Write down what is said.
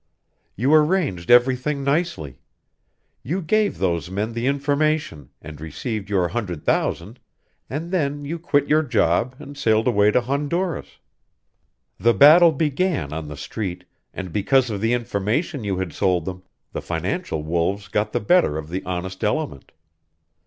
"You arranged everything nicely. You gave those men the information and received your hundred thousand and then you quit your job and sailed away to Honduras. "The battle began on the Street, and because of the information you had sold them, the financial wolves got the better of the honest element.